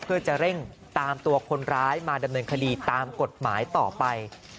เพื่อจะเร่งตามตัวคนร้ายมาดำเนินคดีตามกฎหมายต่อไป